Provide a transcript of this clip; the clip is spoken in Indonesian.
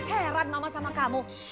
heran mama sama kamu